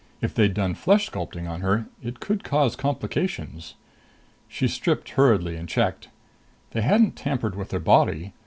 If they'd done flesh sculpting on her, it could cause complications. She stripped hurriedly and checked. They hadn't tampered with her body.